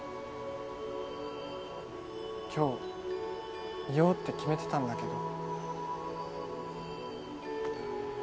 今日言おうって決めてたんだけど。